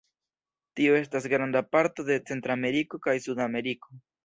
Tio estas en granda parto de Centrameriko kaj Sudameriko.